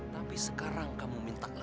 dan sekarang kamu minta lebih